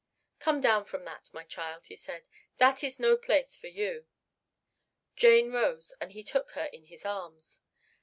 "Come down from that, my child," said he. "That is no place for you." Jane rose and he took her in his arms.